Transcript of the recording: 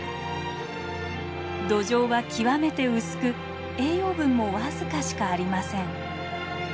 土壌は極めて薄く栄養分も僅かしかありません。